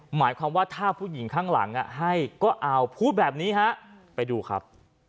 หมายความว่าถ้าผู้หญิงข้างหลังให้ก็เอาพูดแบบนี้ฮะไปดูครับ